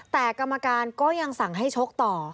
แต่กรรมการก็ยังสั่งให้ชกต่อ